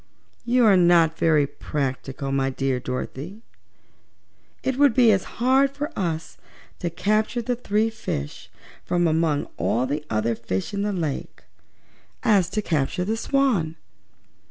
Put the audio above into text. "You are not very practical, Dorothy dear. It would be as hard for us to capture the three fishes, from among all the other fishes in the lake, as to capture the Swan."